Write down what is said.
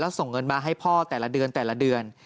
ส่งเงินมาให้พ่อแต่ละเดือนแต่ละเดือน